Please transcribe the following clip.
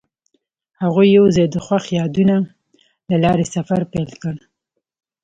هغوی یوځای د خوښ یادونه له لارې سفر پیل کړ.